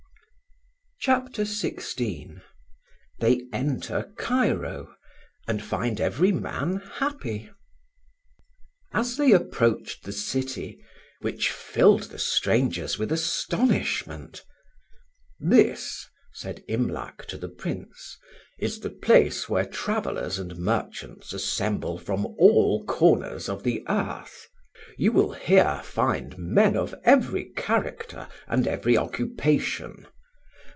CHAPTER XVI THEY ENTER CAIRO, AND FIND EVERY MAN HAPPY. AS they approached the city, which filled the strangers with astonishment, "This," said Imlac to the Prince, "is the place where travellers and merchants assemble from all corners of the earth. You will here find men of every character and every occupation.